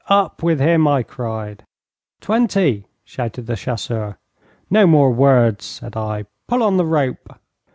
'Up with him!' I cried. 'Twenty,' shouted the chasseur. 'No more words,' said I. 'Pull on the rope!'